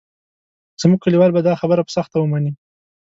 زموږ کلیوال به دا خبره په سخته ومني.